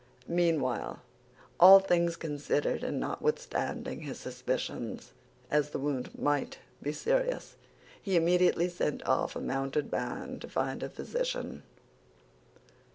Meanwhile, all things considered and notwithstanding his suspicions, as the wound might be serious, he immediately sent off a mounted man to find a physician.